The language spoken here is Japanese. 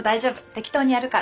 適当にやるから。